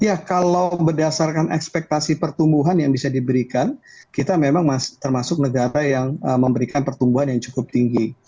ya kalau berdasarkan ekspektasi pertumbuhan yang bisa diberikan kita memang termasuk negara yang memberikan pertumbuhan yang cukup tinggi